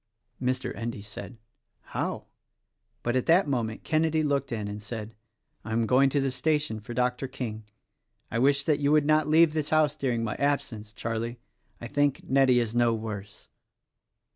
Mr. Endy said, "How?" but at that moment Kenedy looked in and said, "I am going to the station for Dr. King. I wish that you would not leave the house during my absence, Charlie. I think Nettie is no worse."